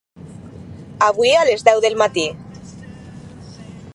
Avui a les deu del matí.